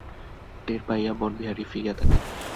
টের পাইয়া বনবিহারী ফিরিয়া তাকায়।